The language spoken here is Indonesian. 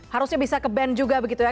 harusnya bisa ke band juga begitu ya